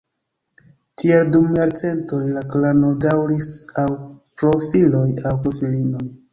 Tiel dum jarcentoj la klano daŭris aŭ pro filoj aŭ pro filinoj.